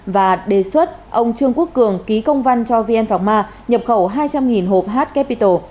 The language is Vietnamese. và đề xuất ông trương quốc cường ký công văn cho vn pharma nhập khẩu hai trăm linh hộp h capital